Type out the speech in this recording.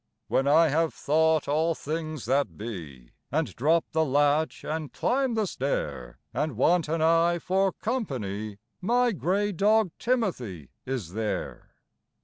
When I have thought all things that be, And drop the latch and climb the stair, And want an eye for company, My grey dog Timothy is there.